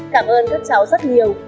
cảm ơn các cháu rất nhiều